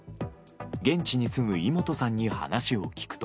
現地に住む井元さんに話を聞くと。